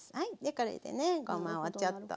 これでねごまをちょっとふって。